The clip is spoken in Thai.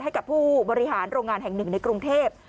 ให้ผู้บริหารโรงงานแห่ง๑ในกรุงเทพฯ